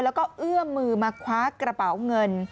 แล้วก็เอื้อมมือมาคว้ากระเป๋าเงิน